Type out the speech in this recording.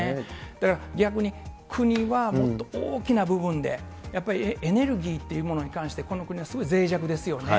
だから、逆に国は、もっと大きな部分で、やっぱりエネルギーというものに関して、この国はすごいぜい弱ですよね。